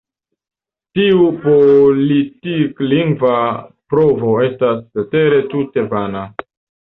Tiu politik-lingva provo estas cetere tute vana.